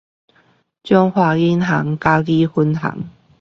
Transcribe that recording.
彰化銀行嘉義分行